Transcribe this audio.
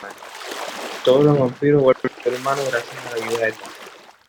Todos los vampiros vuelven a ser humanos gracias a la ayuda de Tony.